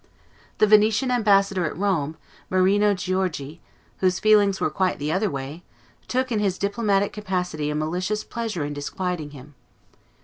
The Venetian ambassador at Rome, Marino Giorgi, whose feelings were quite the other way, took, in his diplomatic capacity, a malicious pleasure in disquieting him.